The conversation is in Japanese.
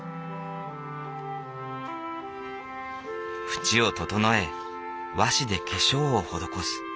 縁を整え和紙で化粧を施す。